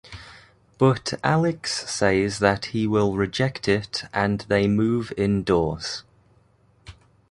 But Alex says that he will reject it and they move indoors.